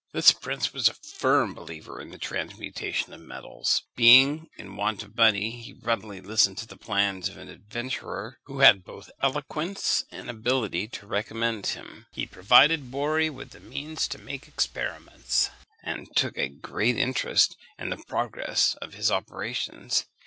This prince was a firm believer in the transmutation of metals. Being in want of money, he readily listened to the plans of an adventurer who had both eloquence and ability to recommend him. He provided Borri with the means to make experiments, and took a great interest in the progress of his operations.